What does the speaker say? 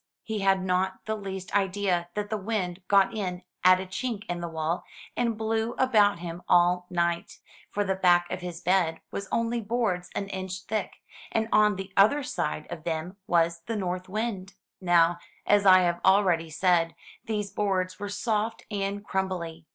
He had not the least idea that the wind got in at a chink in the wall, and blew about him all night. For the back of his bed was only boards an inch thick, and on the other side of them was the north wind. *From At the Back of the North Wind. 422 THROUGH FAIRY HALLS Now, as I have already said, these boards were soft and crum bly.